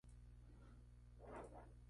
Sin embargo, sólo duró un año.